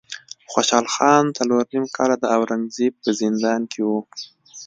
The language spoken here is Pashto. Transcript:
خوشحال خان څلور نیم کاله د اورنګ زیب په زندان کې و.